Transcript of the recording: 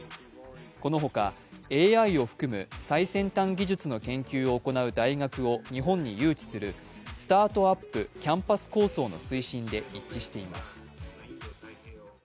このほか、ＡＩを含む最先端技術の研究を行う大学を日本に誘致するスタートアップ・キャンパス構想の推進で一致しています。